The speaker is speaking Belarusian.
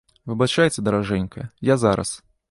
Выбачайце, даражэнькая, я зараз.